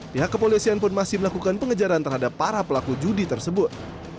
pihak kepolisian pun masih melakukan pengejaran terhadap para pelaku judi tersebut